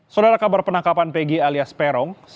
saudara kabar penangkapan pegi alias perong